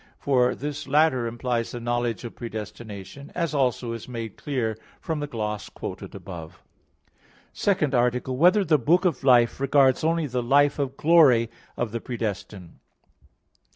For this latter implies the knowledge of predestination; as also is made clear from the gloss quoted above. _______________________ SECOND ARTICLE [I, Q. 24, Art. 2] Whether the Book of Life Regards Only the Life of Glory of the Predestined?